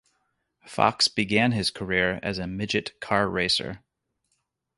Fox began his career as a midget car racer.